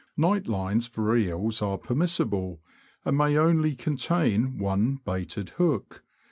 Night lines for eels are permissible, and may only contain one baited hook.